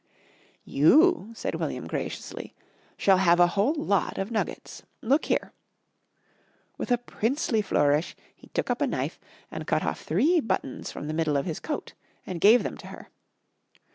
"You," said William graciously, "shall have a whole lot of nuggets. Look here." With a princely flourish he took up a knife and cut off three buttons from the middle of his coat and gave them to her.